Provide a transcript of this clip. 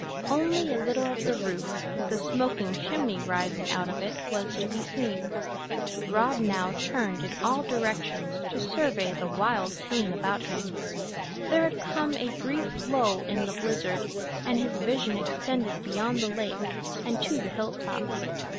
Only a little of the roof, with the smoking chimney rising out of it, was to be seen. Rod now turned in all directions to survey the wild scene about him. There had come a brief lull in the blizzard, and his vision extended beyond the lake and to the hilltop.